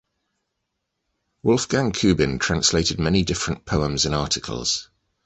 Wolfgang Kubin translated many different poems and articles.